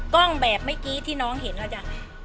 กล้องแบบเมื่อกี้ที่น้องเห็นนะจ๊ะ